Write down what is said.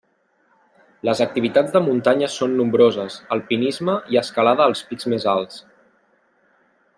Les activitats de muntanya són nombroses: alpinisme i escalada als pics més alts.